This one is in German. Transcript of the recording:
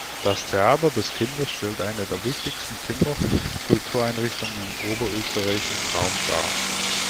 Das Theater des Kindes stellt eine der wichtigsten Kinder-Kultureinrichtungen im Oberösterreichischen Raum dar.